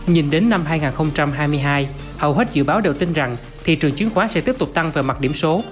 nhìn đến năm hai nghìn hai mươi hai hầu hết dự báo đều tin rằng thị trường chứng khoán sẽ tiếp tục tăng về mặt điểm số